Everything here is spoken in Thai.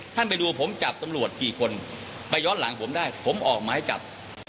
ไปดูผมจับตำรวจกี่คนไปย้อนหลังผมได้ผมออกหมายจับ